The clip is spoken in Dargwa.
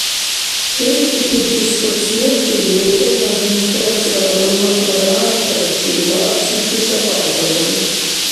Чедибикибти спортсменти районна администрацияла ХӀурматла грамотабачил ва арцличил шабагъатлабариб.